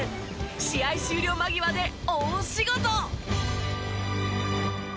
試合終了間際で大仕事！